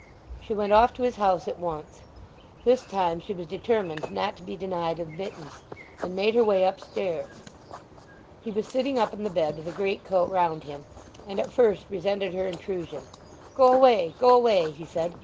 She went off to his house at once. This time she was determined not to be denied admittance, and made her way upstairs. He was sitting up in the bed with a greatcoat round him, and at first resented her intrusion. "Go away—go away," he said.